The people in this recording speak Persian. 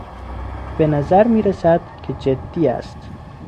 به نظر میرسد که جدی است.